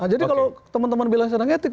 jadi kalau teman teman bilang sidang etik